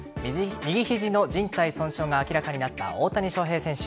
右肘の靭帯損傷が明らかになった大谷翔平選手。